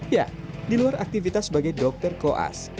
ya di luar aktivitas sebagai dokter koas